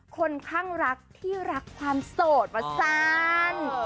คนข้างรักที่รักความโสดมาสั้น